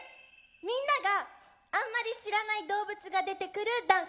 みんながあんまり知らない動物が出てくるダンス。